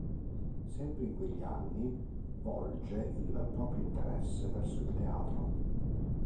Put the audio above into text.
Sempre in quegli anni volge il proprio interesse verso il teatro.